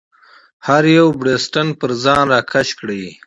هر یو بړستن پر ځان راکش کړه.